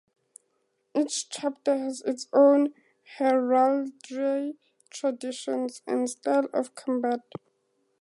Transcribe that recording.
Each Chapter has its own heraldry, traditions, and style of combat.